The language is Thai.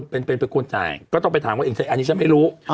เป็นเป็นคนจ่ายก็ต้องไปถามเขาเองอันนี้ฉันไม่รู้